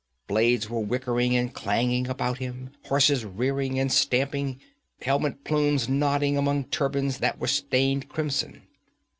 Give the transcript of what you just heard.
Blades were whickering and clanging about him, horses rearing and stamping, helmet plumes nodding among turbans that were stained crimson.